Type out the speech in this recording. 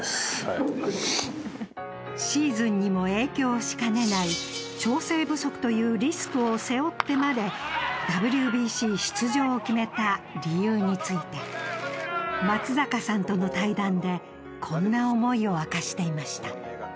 シーズンにも影響しかねない調整不足というリスクを背負ってまでＷＢＣ出場を決めた理由について松坂さんとの対談でこんな思いを明かしていました。